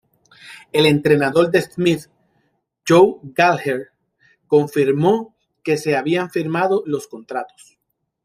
El entrenador de Smith, Joe Gallagher, confirmó que se habían firmado los contratos.